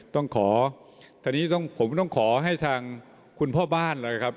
ต้องขอตอนนี้ผมต้องขอให้ทางคุณพ่อบ้านนะครับ